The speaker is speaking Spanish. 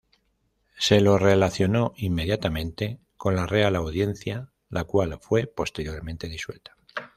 Se lo relacionó inmediatamente con la Real Audiencia, la cual fue posteriormente disuelta.